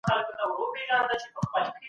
وو؛ ځکه هغوی تمه لرله چي جهادي تنظیمونه به